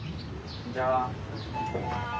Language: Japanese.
こんにちは。